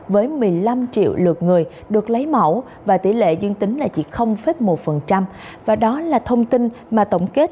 với một mươi năm triệu lượt người được lấy mẫu và tỷ lệ dương tính là chỉ một và đó là thông tin mà tổng kết